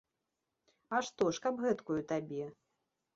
А што ж, каб гэткую табе.